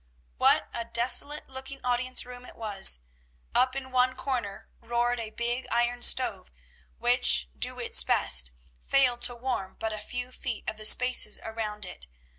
What a desolate looking audience room it was! Up in one corner roared a big iron stove, which, do its best, failed to warm but a few feet of the spaces around it.